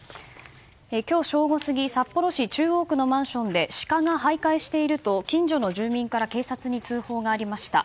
今日正午過ぎ札幌市中央区のマンションでシカが徘徊していると近所の住民から警察に通報がありました。